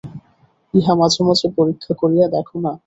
ইহা মাঝে মাঝে পরীক্ষা করিয়া দেখ না।